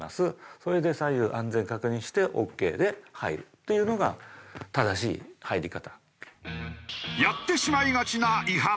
それで左右安全確認してオーケーで入るっていうのが正しい入り方。